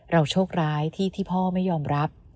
โชคร้ายที่พ่อไม่ยอมรับ